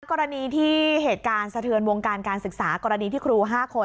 กรณีที่เหตุการณ์สะเทือนวงการการศึกษากรณีที่ครู๕คน